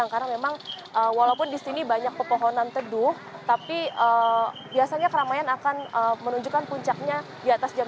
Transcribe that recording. karena memang walaupun di sini banyak pepohonan teduh tapi biasanya keramaian akan menunjukkan puncaknya di atas jam dua belas